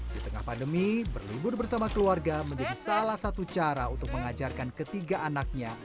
di tengah pandemi berlibur bersama keluarga menjadi salah satu cara untuk mengajarkan ketiga anaknya